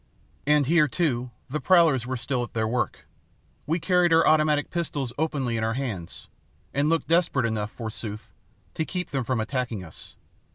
And here, too, the prowlers were still at their work. We carried our automatic pistols openly in our hands, and looked desperate enough, forsooth, to keep them from attacking us.